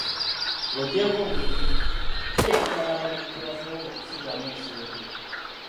Ng'oggyeko obulimi, ki ekirala abalimi kye basobola okusigamu ensimbi?